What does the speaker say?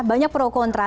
banyak pro kontra